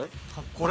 これ？